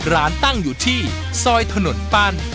ร้านตั้งอยู่ที่ซอยถนนปั้น